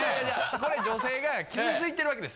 これ女性が傷ついてるわけです